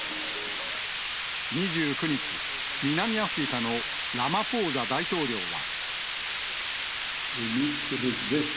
２９日、南アフリカのラマポーザ大統領は。